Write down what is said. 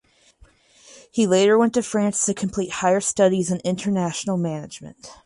He later went to France to complete higher studies in international management.